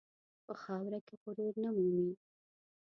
په خاوره کې غرور نه مومي.